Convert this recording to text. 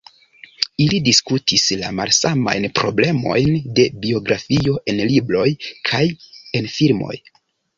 Ili diskutis la malsamajn problemojn de biografio en libroj kaj en filmoj.